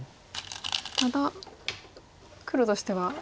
ただ黒としては。